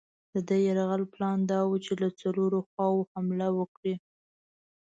د ده د یرغل پلان دا وو چې له څلورو خواوو حمله وکړي.